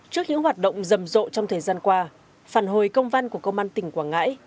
trước những hoạt động rầm rộ trong thời gian qua phản hồi công văn của công an tỉnh quảng ngãi